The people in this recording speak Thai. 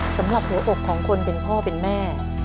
สำหรับหัวอกของคนเป็นพ่อเป็นแม่